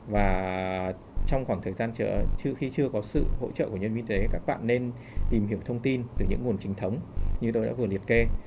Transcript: và trong khoảng thời gian trước khi chưa có sự hỗ trợ của nhân viên y tế các bạn nên tìm hiểu thông tin từ những nguồn chính thống như tôi đã vừa liệt kê